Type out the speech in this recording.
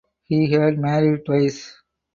He had married twice.